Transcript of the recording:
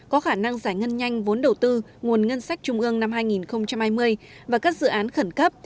có khả năng giải ngân nhanh vốn đầu tư nguồn ngân sách trung ương năm hai nghìn hai mươi và các dự án khẩn cấp